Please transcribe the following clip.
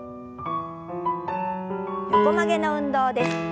横曲げの運動です。